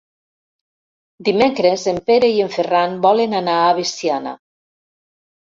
Dimecres en Pere i en Ferran volen anar a Veciana.